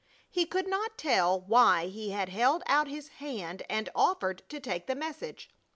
He could not tell why he had held out his hand and offered to take the message.